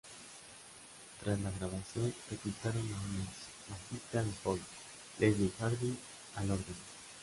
Tras la grabación reclutaron a una ex-bajista de Hole, Leslie Hardy, al órgano.